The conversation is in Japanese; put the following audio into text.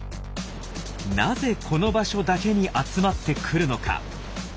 なぜこの場所だけに集まってくるのか？